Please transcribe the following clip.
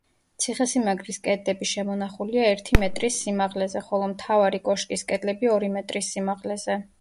ციხესიმაგრის კედლები შემონახულია ერთი მეტრის სიმაღლეზე, ხოლო მთავარი კოშკის კედლები ორი მეტრის სიმაღლეზე.